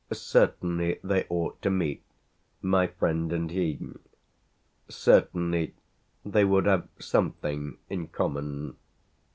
Certainly they ought to meet, my friend and he; certainly they would have something in common.